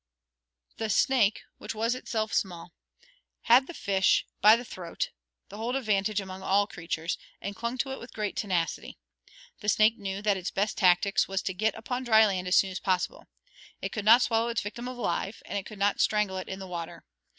The snake, which was itself small, had the fish by the throat, the hold of vantage among all creatures, and clung to it with great tenacity. The snake knew that its best tactics was to get upon dry land as soon as possible. It could not swallow its victim alive, and it could not strangle it in the water.